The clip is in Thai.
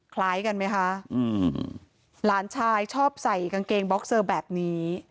คล้ายกันไหมคะอืมหลานชายชอบใส่กางเกงบ็อกเซอร์แบบนี้